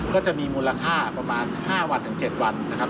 ก็จะมีมูลค่าประมาณ๕วันถึง๗วันนะครับ